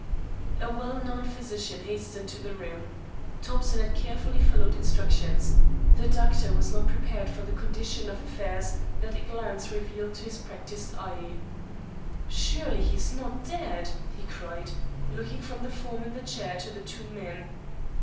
A well known physician hastened to the room. Thompson had carefully followed instructions. The doctor was not prepared for the condition of affairs that a glance revealed to his practised eye. "Surely he is not dead?" he cried, looking from the form in the chair to the two men.